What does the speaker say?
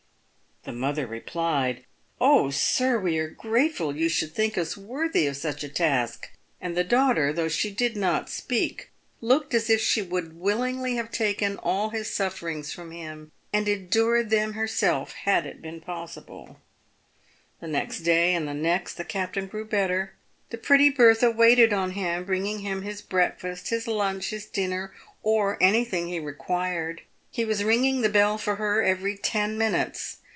The mother replied, " Oh ! sir, we are grateful you should think us worthy of such a task ;" and the daughter, though she did not speak, looked as if she would willingly have taken all his sufferings from him, and endured them herself, if it had been possible. The next day, and the next, the captain grew better. The pretty Bertha waited on him, bringing him his breakfast, his lunch, his dinner, or anything he required. He was ringing the bell for her every ten minutes.